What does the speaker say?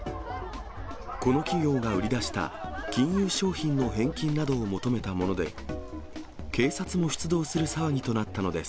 この企業が売り出した金融商品の返金などを求めたもので、警察も出動する騒ぎとなったのです。